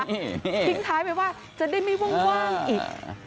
ทิ้งท้ายไปว่าจะได้ไม่ว่างอีก